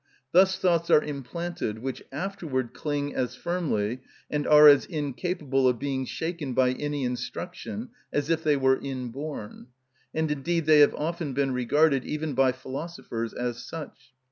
Thus thoughts are implanted, which afterward cling as firmly, and are as incapable of being shaken by any instruction as if they were inborn; and indeed they have often been regarded, even by philosophers, as such.